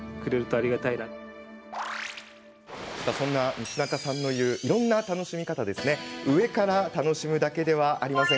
西中さんの言ういろいろな楽しみ方上から楽しむだけではありません。